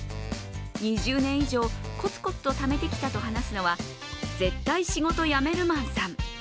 ２０年以上、コツコツとためてきたと話すのは絶対仕事辞めるマンさん。